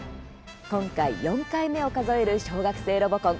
今回、４回目を数える小学生ロボコン。